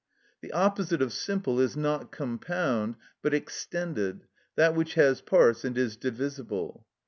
The opposite of simple is not compound, but extended, that which has parts and is divisible.